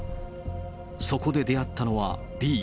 そこで出会ったのはＢ。